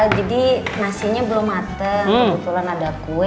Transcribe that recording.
jadi nasinya belum mateng kebetulan ada kue